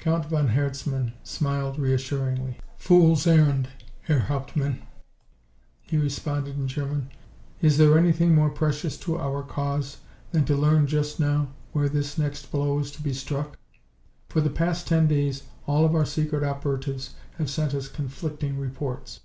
Count von Herzmann smiled reassuringly. "Fool's errand, Herr Hauptmann?" he responded in German. "Is there anything more precious to our cause than to learn just now where this next blow is to be struck? For the past ten days all of our secret operatives have sent us conflicting reports.